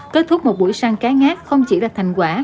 kết thúc một buổi săn cá ngát không chỉ là thành quả